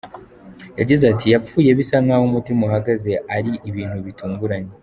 Yagize ati “Yapfuye bisa nk’aho umutima uhagaze, ari ibintu bitunguranye.